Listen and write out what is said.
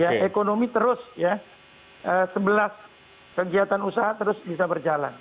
karena ekonomi terus ya sebelas kegiatan usaha terus bisa berjalan